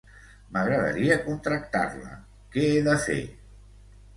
M'agradaria contractar-la, què he de fer?